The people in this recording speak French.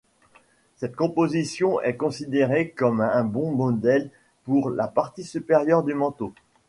Cette composition est considérée comme un bon modèle pour la partie supérieure du manteau.